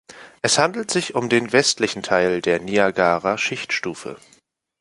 Es handelt sich um den westlichen Teil der Niagara-Schichtstufe.